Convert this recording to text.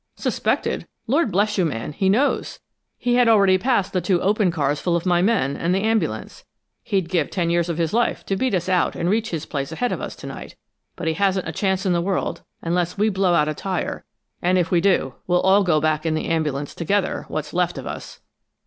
"Suspected? Lord bless you, man, he knows! He had already passed the two open cars full of my men, and the ambulance. He'd give ten years of his life to beat us out and reach his place ahead of us to night, but he hasn't a chance in the world unless we blow out a tire, and if we do we'll all go back in the ambulance together, what's left of us!"